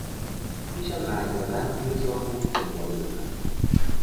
پیش از رنگ زدن میز را خوب سنباده بزن.